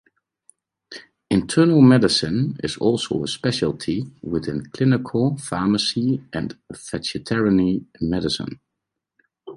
Internal medicine is also a specialty within clinical pharmacy and veterinary medicine.